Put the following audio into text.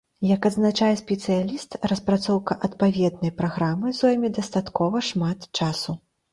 Як адзначае спецыяліст, распрацоўка адпаведнай праграмы зойме дастаткова шмат часу.